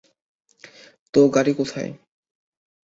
তো গাড়ি কোথায়?